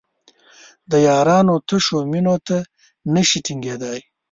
د یارانو تشو مینو ته نشي ټینګېدای.